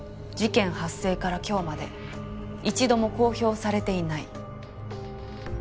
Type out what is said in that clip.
事件発生から今日まで一度も公表されていない。